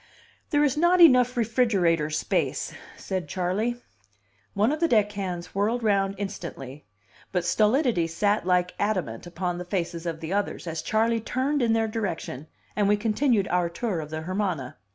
"There is not enough refrigerator space," said Charley. One of the deck hands whirled round instantly; but stolidity sat like adamant upon the faces of the others as Charley turned in their direction, and we continued our tour of the Hermana.